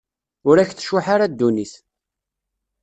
Ur ak-tcuḥḥ ara ddunit.